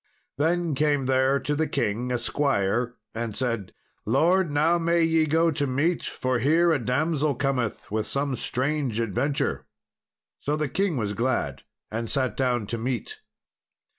Then came there to the king a squire and said, "Lord, now may ye go to meat, for here a damsel cometh with some strange adventure." So the king was glad, and sat down to meat.